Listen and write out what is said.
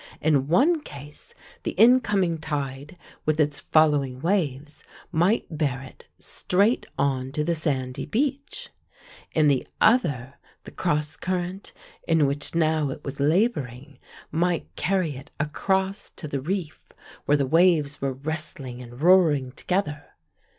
In one case, the incoming tide with its following waves might bear it straight on to the sandy beach; in the other the cross current, in which now it was laboring, might carry it across to the reef where the waves were wrestling and roaring together.